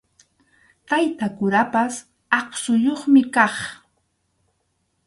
Tayta kurapas aqsuyuqmi kaq.